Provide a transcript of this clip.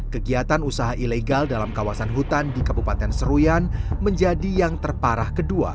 kegiatan usaha ilegal dalam kawasan hutan di kabupaten seruyan menjadi yang terparah kedua